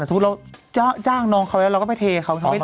ถ้าบุ๊กเราจ้างน้องเขาแล้วเราก็ไปเทเขา